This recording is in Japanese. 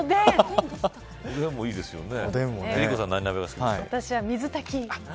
おでんもいいですよね。